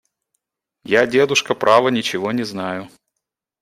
– Я, дедушка, право, ничего не знаю.